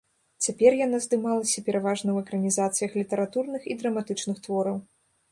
Цяпер яна здымалася пераважна ў экранізацыях літаратурных і драматычных твораў.